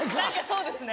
そうですね。